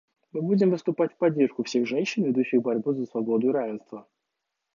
Мы будем выступать в поддержку всех женщин, ведущих борьбу за свободу и равенство.